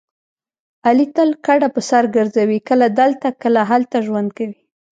علي تل کډه په سر ګرځوي کله دلته کله هلته ژوند کوي.